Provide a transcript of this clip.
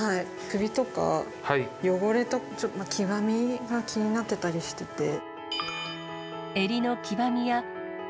首とか、汚れとか、ちょっと黄ばみが気になってたりしてて。